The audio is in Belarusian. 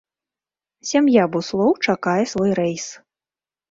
Сям'я буслоў чакае свой рэйс.